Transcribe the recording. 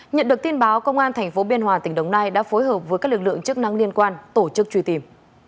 nhận được tin báo công an tp biên hòa tỉnh đồng nai đã phối hợp với các lực lượng chức năng liên quan tổ chức truy tìm